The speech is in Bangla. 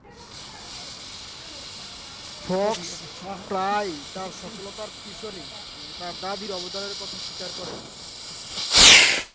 ফক্স প্রায়ই তার সফলতার পিছনে তার দাদীর অবদানের কথা স্বীকার করে থাকেন।